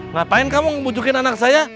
ngapain kamu ngebujukin anak saya